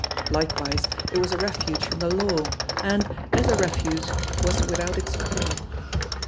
Likewise, it was a refuge from the law, and, as a refuge, was without its peer.